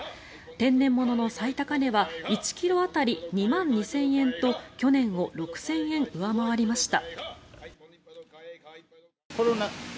天然物の最高値は１ｋｇ当たり２万２０００円と去年を６０００円上回りました。